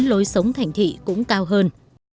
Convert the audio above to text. lối sống thành thị cũng cao hơn